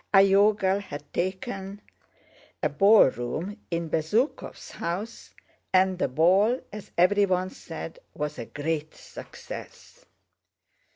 Iogel had taken a ballroom in Bezúkhov's house, and the ball, as everyone said, was a great success.